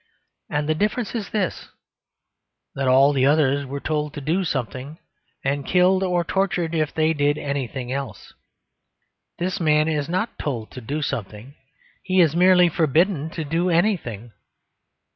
And the difference is this: that all the others were told to do something, and killed or tortured if they did anything else. This man is not told to do something: he is merely forbidden to do anything.